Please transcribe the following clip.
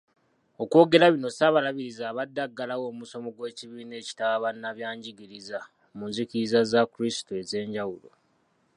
Okwogera bino Ssaabalabirizi abadde aggalawo omusomo gw’ekibiina ekitaba bannabyanjigiriza mu nzikiriza za Kulisito ez’enjawulo.